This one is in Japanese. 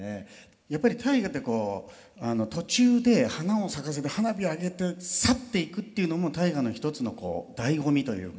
やっぱり「大河」ってこう途中で花を咲かせて花火揚げて去っていくっていうのも「大河」の一つのだいご味というか。